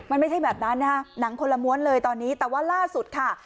มันไม่ใช่แบบนั้นนะคะหนังคนละม้วนเลยตอนนี้แต่ว่าล่าสุดค่ะ